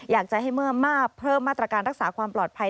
อยากจะให้เมื่อมาเพิ่มมาตรการรักษาความปลอดภัย